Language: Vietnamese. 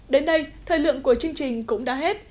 đến đây thời lượng của chương trình cũng đã hết